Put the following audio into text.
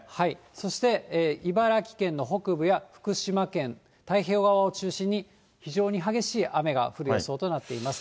そして、茨城県の北部や福島県、太平洋側を中心に、非常に激しい雨が降る予想となっています。